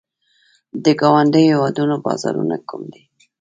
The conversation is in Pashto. د ګاونډیو هیوادونو بازارونه کوم دي؟